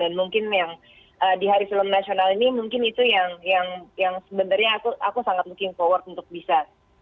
dan mungkin yang di hari film nasional ini mungkin itu yang sebenarnya aku sangat mungkin forward untuk bisa